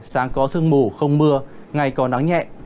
sáng có sương mù không mưa ngày có nắng nhẹ